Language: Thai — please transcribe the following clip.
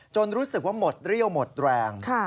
รู้สึกว่าหมดเรี่ยวหมดแรง